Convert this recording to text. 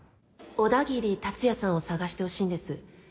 小田切達也さんを捜してほしいんです